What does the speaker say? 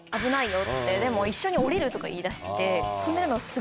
でも「一緒に下りる」とか言いだして。